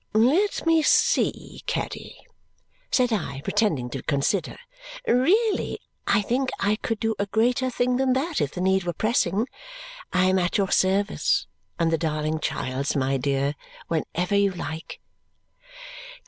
"Let me see, Caddy," said I, pretending to consider. "Really, I think I could do a greater thing than that if the need were pressing. I am at your service and the darling child's, my dear, whenever you like."